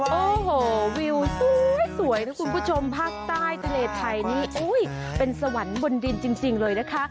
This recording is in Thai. โอ้โหวิวสวยนะคุณผู้ชมภาคใต้ทะเลไทยนี่เป็นสวรรค์บนดินจริงเลยนะคะ